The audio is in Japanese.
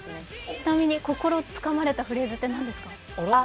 ちなみに、心つかまれたせりふって何ですか？